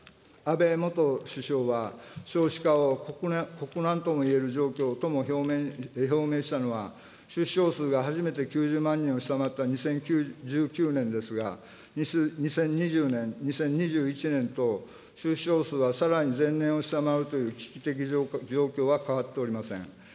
安倍元首相は、少子化を国難ともいえる状況とも表明したのは、出生数が初めて９０万人を下回った２０１９年ですが、２０２０年、２０２１年と、出生数はさらに前年を下回るという危機的状況は変わっておりません。